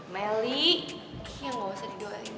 meli ya enggak usah didoain